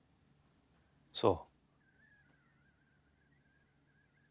そう。